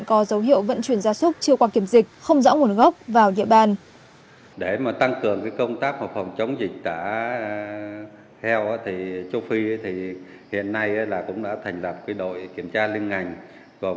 có dấu hiệu vận chuyển gia súc chưa qua kiểm dịch không rõ nguồn gốc vào địa bàn